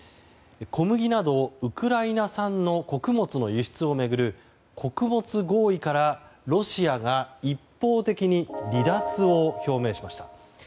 小麦など、ウクライナ産の穀物の輸出を巡る穀物合意からロシアが一方的に離脱を表明しました。